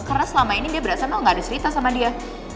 karena selama ini dia berasa mel gak ada cerita sama dia